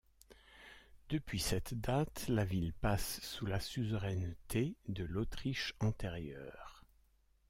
Depuis cette date la ville passe sous la suzeraineté de l'Autriche antérieure.